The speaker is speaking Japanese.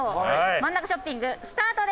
真ん中ショッピングスタートです。